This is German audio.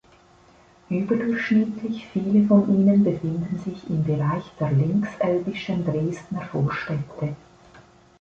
Überdurchschnittlich viele von ihnen befinden sich im Bereich der linkselbischen Dresdner Vorstädte.